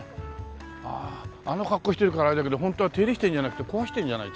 あああんな格好してるからあれだけど本当は手入れしてるんじゃなくて壊してるんじゃない？